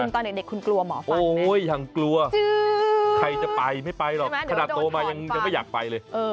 ตอนเด็กคุณกลัวหมอฝนโอ้ยยังกลัวใครจะไปไม่ไปหรอกขนาดโตมายังไม่อยากไปเลย